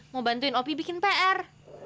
mau bantuin opi bikin pr